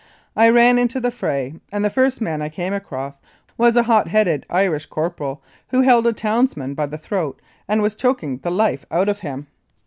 I ran into the fray, and the first man I came across was a hot headed Irish corporal who held a townsman by the throat and was choking the life out of him.